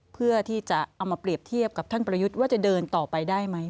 เพื่อที่จะเอามาเปรียบเทียบกับท่านประยุทธ์ว่าจะเดินต่อไปได้ไหม